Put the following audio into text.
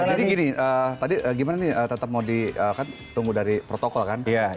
jadi gini tadi gimana nih tetap mau ditunggu dari protokol kan